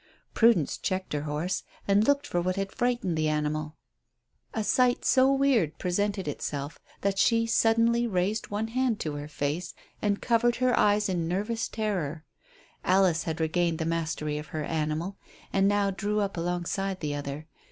Prudence checked her horse and looked for what had frightened the other animal. A sight so weird presented itself that she suddenly raised one hand to her face and covered her eyes in nervous terror. Alice had regained the mastery of her animal and now drew up alongside the other.